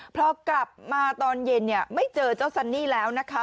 พอกลับมาตอนเย็นไม่เจอเจ้าซันนี่แล้วนะคะ